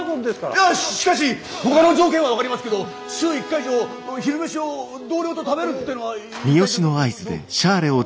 いやしかしほかの条件は分かりますけど週１回以上昼飯を同僚と食べるってのは一体？